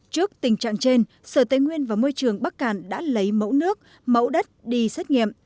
trước tình trạng trên sở tây nguyên và môi trường bắc cạn đã lấy mẫu nước mẫu đất đi xét nghiệm